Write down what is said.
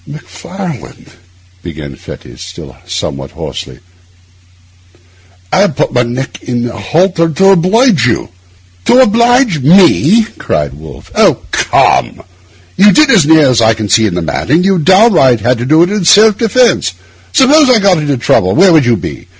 'Macfarlane,' began Fettes, still somewhat hoarsely, 'I have put my neck in a halter to oblige you.' 'To oblige me?' cried Wolfe. 'Oh, come! You did, as near as I can see the matter, what you downright had to do in self defence. Suppose I got into trouble, where would you be?